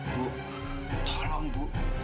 ibu tolong bu